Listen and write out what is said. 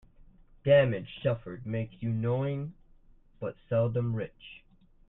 Damage suffered makes you knowing, but seldom rich.